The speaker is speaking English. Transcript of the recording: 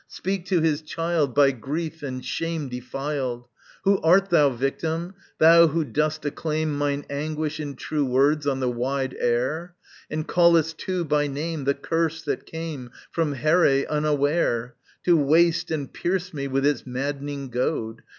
Speak to his child By grief and shame defiled! Who art thou, victim, thou who dost acclaim Mine anguish in true words on the wide air, And callest too by name the curse that came From Herè unaware, To waste and pierce me with its maddening goad?